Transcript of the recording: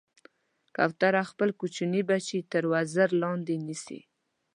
کوتره خپل کوچني بچي تر وزر لاندې نیسي.